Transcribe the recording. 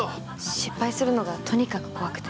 失敗するのがとにかく怖くて。